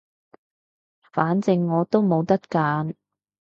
反正我都冇得揀